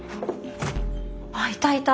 あっいたいた。